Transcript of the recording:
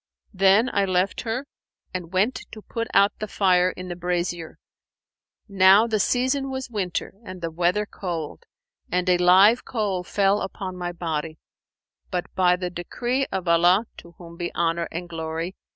Then I left her and went to put out the fire in the brasier.[FN#483] Now the season was winter and the weather cold, and a live coal fell on my body: but by the decree of Allah (to whom be Honour and Glory!)